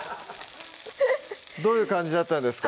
どういう感じだったんですか？